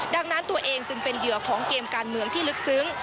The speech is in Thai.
ดังนั้นตัวเองจึงเป็นเหยื่อของเกมการเมืองที่ลึกซึ้ง